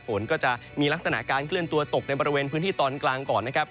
ฝนก็จะมีลักษณะการเคลื่อนตัวตกในบริเวณพื้นที่ตอนกลางก่อนนะครับ